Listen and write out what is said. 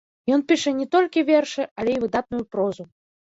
Ён піша не толькі вершы, але і выдатную прозу.